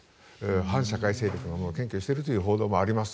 反社会勢力の者を検挙しているという報道もあります。